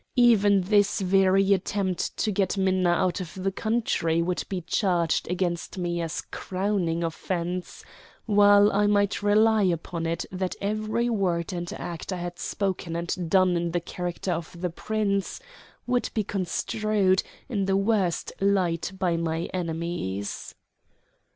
Even this very attempt to get Minna out of the country would be charged against me as a crowning offence; while I might rely upon it that every word and act I had spoken and done in the character of the Prince would be construed in the worst light by my enemies.